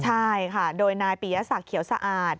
ใช่ค่ะโดยนายปียศักดิ์เขียวสะอาด